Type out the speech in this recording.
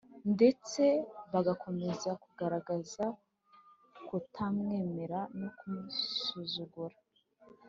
ndetse bagakomeza kugaragaza kutamwemera no kumusuzugura